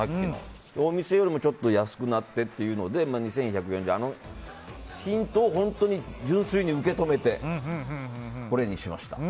お店よりもちょっと安くなってというので２１００円であのヒントを本当に純粋に受け止めてこれにしました。